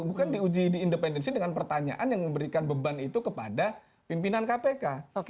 bukan diuji di independensi dengan pertanyaan yang memberikan beban itu kepada pimpinan kpk